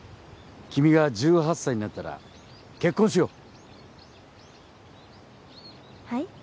君が１８歳になったら結婚しようはい？